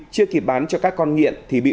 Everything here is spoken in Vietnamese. chưa kịp bán cho các con nghiện